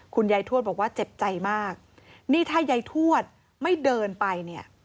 คุณยายทวดบอกว่าเจ็บใจมากนี่ถ้ายายทวดไม่เดินไปเนี่ย